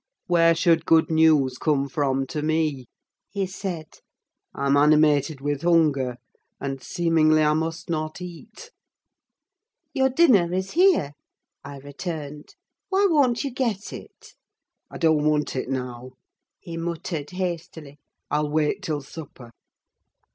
"Where should good news come from to me?" he said. "I'm animated with hunger; and, seemingly, I must not eat." "Your dinner is here," I returned; "why won't you get it?" "I don't want it now," he muttered, hastily: "I'll wait till supper.